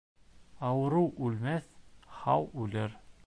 Ауырыу үлмәҫ, һау үлер.